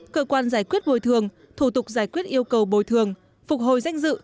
cơ quan giải quyết bồi thường thủ tục giải quyết yêu cầu bồi thường phục hồi danh dự